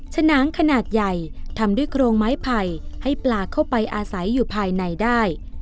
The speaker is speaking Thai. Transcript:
ฉนางขนาดใหญ่ทำด้วยโครงไม้ไผ่ให้ปลาเข้าไปอาศัยอยู่ภายในได้